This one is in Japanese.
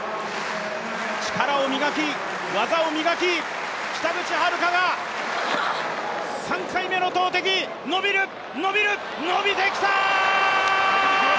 力を磨き技を磨き、北口榛花が３回目の投てき伸びる、伸びる、伸びてきた！